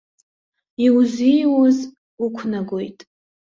Иузиуз уқәнагоит.